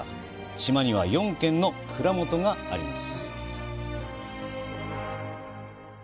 島には４軒の蔵元があります。